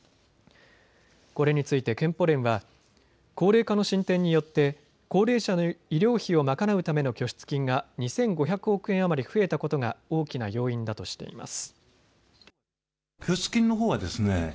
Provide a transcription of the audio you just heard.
これについて健保連は高齢化の進展によって高齢者の医療費を賄うための拠出金が２５００億円余り増えたことが大きな要因だとしています。